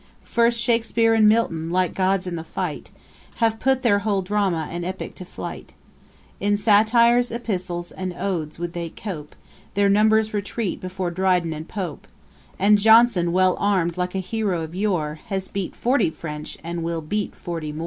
First Shakspeare and Milton, like gods in the fight, Have put their whole drama and epick to flight; In satires, epistles, and odes, would they cope, Their numbers retreat before Dryden and Pope; And Johnson, well arm'd like a hero of yore, Has beat forty French, and will beat forty more!'